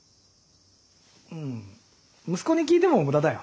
うん息子に聞いても無駄だよ。